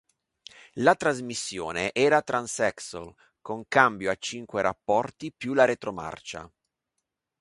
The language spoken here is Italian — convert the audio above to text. La trasmissione era transaxle con cambio a cinque rapporti più la retromarcia.